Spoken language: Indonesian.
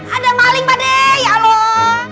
ada maling pada ya allah